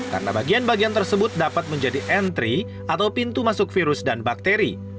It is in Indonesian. karena bagian bagian tersebut dapat menjadi entry atau pintu masuk virus dan bakteri